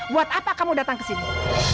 buat apa kamu datang kesini